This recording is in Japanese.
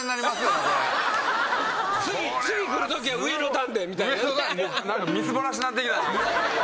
次来るときは上の段でみたいなね。